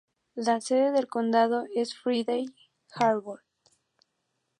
La sede del condado es Friday Harbor.